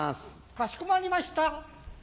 かしこまりました。